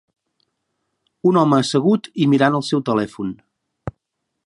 un home assegut i mirant el seu telèfon.